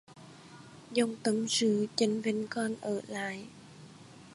Dòng tâm sự chênh vênh còn ở lại